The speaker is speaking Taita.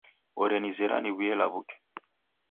Orenizera niw'uye law'uke.